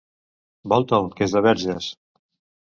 Volta'l, que és de Verges!